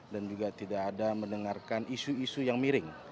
dan juga tidak ada mendengarkan isu isu yang miring